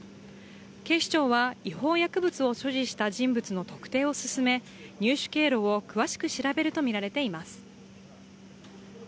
警視庁は違法薬物を所持した人物の特定を進め、入手経路を詳しく調べるとみられています。